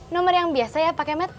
nomor yang biasa ya pak kemet